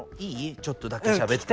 ちょっとだけしゃべって。